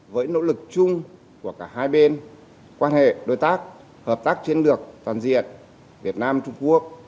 với nỗ lực chung của cả hai bên quan hệ đối tác hợp tác chiến lược toàn diện việt nam trung quốc